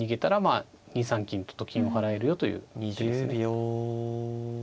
２三金とと金を払えるよという手ですね。